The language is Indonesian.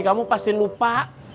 kamu pasti lupa